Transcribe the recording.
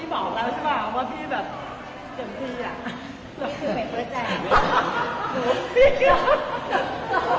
ย่อมเสียงไปไม่ถึงเป็นเวอร์แจม